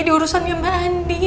di urusan mbak andi